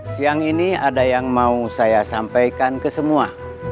siang ini ada yang mau saya sampaikan ke semua